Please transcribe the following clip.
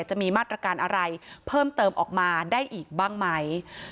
จะมีมาตรการอะไรเพิ่มเติมออกมาได้อีกบ้างไหม